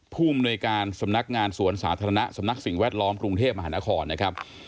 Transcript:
ภูมิหน่วยการสำนักงานสวนสาธารณะสำนักสิ่งแวดล้อมกรุงเทพมหานครนะครับ